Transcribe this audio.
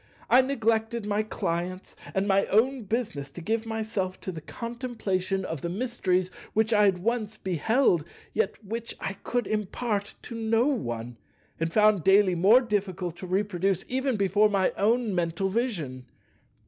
I neglected my clients and my own business to give myself to the contemplation of the mysteries which I had once beheld, yet which I could impart to no one, and found daily more difficult to reproduce even before my own mental vision.